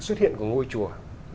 xuất hiện của ngôi chùa